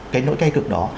cái nỗi cay cực đó